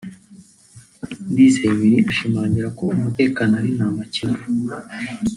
Ndizeye Willy ashimangira ko umutekano ari nta makemwa